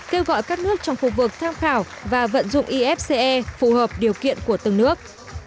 kêu gọi các nước trong khu vực tham khảo và vận dụng ifce phù hợp điều kiện của từng nước